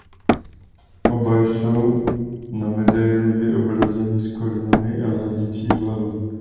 Oba jsou na medaili vyobrazeni s korunami a hledící vlevo.